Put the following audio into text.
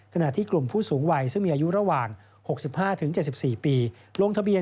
ขณะที่กลุ่มผู้สูงวัยซึ่งมีอายุระหว่าง๖๕๗๔ปี